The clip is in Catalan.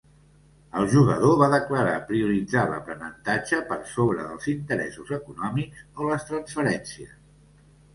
El jugador va declarar prioritzar l'aprenentatge per sobre dels interessos econòmics o les transferències.